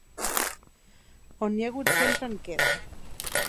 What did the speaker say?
On n'hi ha hagut sempre en queda.